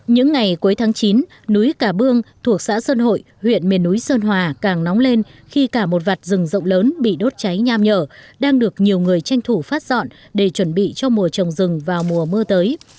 những ngày cuối tháng chín núi cà buông thuộc xã sơn hội huyện miền núi sơn hòa càng nóng lên khi cả một vặt rừng rộng lớn bị đốt cháy nham nhở đang được nhiều người tranh thủ phát dọn để chuẩn bị cho mùa trồng rừng vào mùa mưa tới